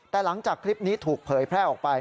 แต่หลังจากคลิปนี้ถูกเผยแพร่ออกไป